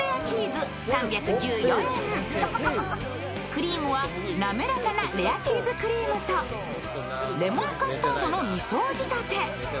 クリームは、滑らかなレアチーズクリームとレモンカスタードの２層仕立て。